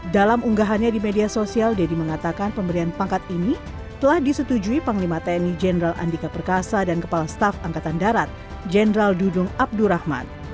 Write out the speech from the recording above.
dalam unggahannya di media sosial deddy mengatakan pemberian pangkat ini telah disetujui panglima tni jenderal andika perkasa dan kepala staf angkatan darat jenderal dudung abdurrahman